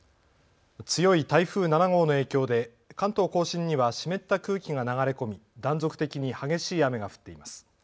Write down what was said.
強い台風７号の影響で関東甲信には湿った空気が流れ込み断続的に激しい雨が降っています。